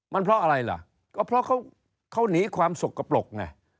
มันเพราะอะไรล่ะก็เพราะเขาหนีความสกปรกไง